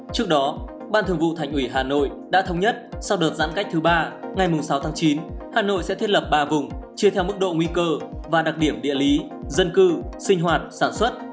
trước đó ban thường vụ thành ủy hà nội đã thống nhất sau đợt giãn cách thứ ba ngày sáu tháng chín hà nội sẽ thiết lập ba vùng chia theo mức độ nguy cơ và đặc điểm địa lý dân cư sinh hoạt sản xuất